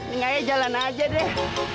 ini saya jalan aja deh